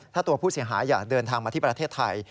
ถ้าตัวผู้เสียหายอยากเดินทางมาที่ประเทศไทย